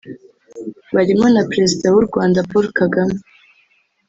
barimo na Perezida w’u Rwanda Paul Kagame